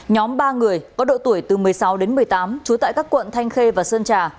nhóm ba người có độ tuổi từ một mươi sáu đến một mươi tám trú tại các quận thanh khê và sơn trà